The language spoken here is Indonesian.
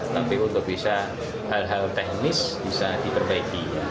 tapi untuk bisa hal hal teknis bisa diperbaiki